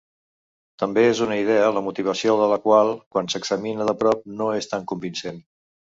També és una idea la motivació de la qual, quan s'examina de prop, no és tan convincent.